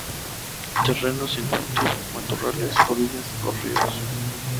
Terrenos en cultivo, matorrales, orillas de los ríos.